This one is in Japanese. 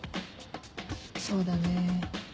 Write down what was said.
そうだね。